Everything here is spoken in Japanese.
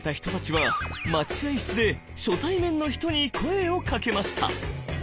待合室で初対面の人に声をかけました。